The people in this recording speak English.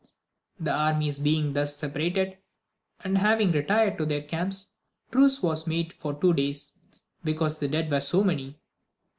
The armies bemg thus separated, and having retired to their camps, truce was made for two days, because the dead were so many.